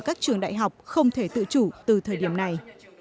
các trường đại học không thể tự chủ từ thời điểm này